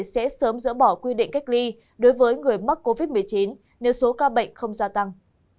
sẽ sớm dỡ bỏ quy định cách ly đối với người mắc covid một mươi chín nếu số ca bệnh không gia tăng